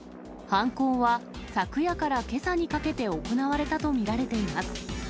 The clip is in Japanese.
犯行は昨夜からけさにかけて行われたと見られています。